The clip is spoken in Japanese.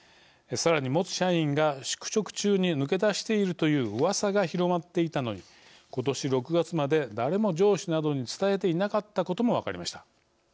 さらに元社員が宿直中に抜け出しているといううわさが広まっていたのにことし６月まで誰も上司などに伝えていなかったことも分かりました。